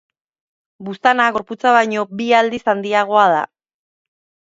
Buztana gorputza baino bi aldiz handiagoa da.